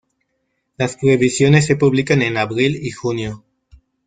Las previsiones se publican en abril y junio.